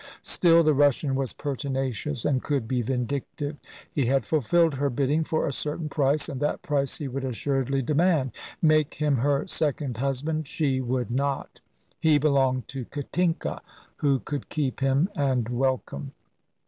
Still, the Russian was pertinacious, and could be vindictive; he had fulfilled her bidding for a certain price, and that price he would assuredly demand. Make him her second husband she would not. He belonged to Katinka, who could keep him and welcome.